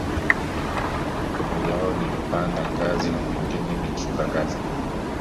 mmoja wao ni mpanda ngazi na mwingine ni mshuka ngazi.